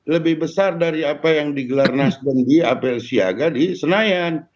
lebih besar dari apa yang digelar nasdem di apel siaga di senayan